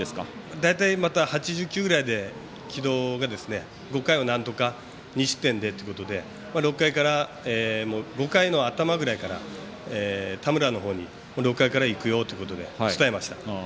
大体、また８０球くらいで城戸が、５回をなんとか２失点でということで５回の頭ぐらいから田村のほうに６回からいくよと伝えました。